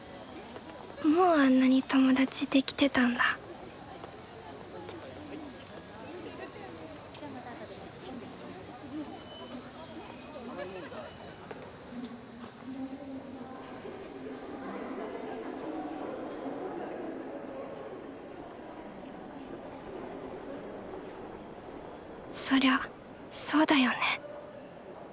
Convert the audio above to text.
もうあんなに友達できてたんだそりゃそうだよね。